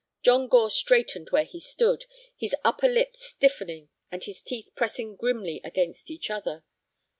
John Gore straightened where he stood, his upper lip stiffening and his teeth pressing grimly against each other.